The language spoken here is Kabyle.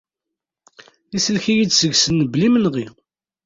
Isellek-iyi-d seg-sen mebla imenɣi.